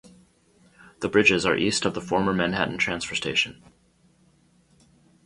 The bridges are east of the former Manhattan Transfer station.